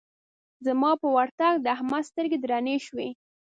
زما پر ورتګ د احمد سترګې درنې شوې.